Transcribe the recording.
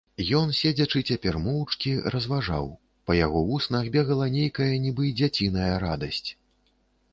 Ён, седзячы цяпер моўчкі, разважаў, па яго вуснах бегала нейкая нібы дзяціная радасць.